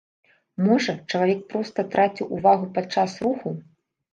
Можа, чалавек проста траціў увагу падчас руху.